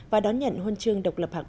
và đón nhận huân chương độc lập hạc ba